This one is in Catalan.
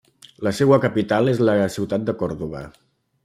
La seua capital és la ciutat de Còrdova.